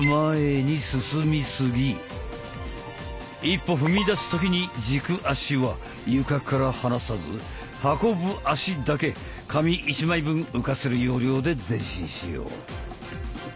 一歩踏み出す時に軸足は床から離さず運ぶ足だけ紙１枚分浮かせる要領で前進しよう。